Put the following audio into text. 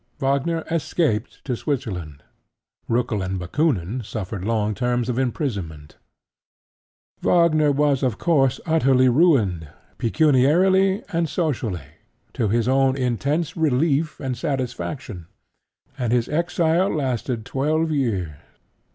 Wagner escaped to Switzerland: Roeckel and Bakoonin suffered long terms of imprisonment. Wagner was of course utterly ruined, pecuniarily and socially (to his own intense relief and satisfaction); and his exile lasted twelve years.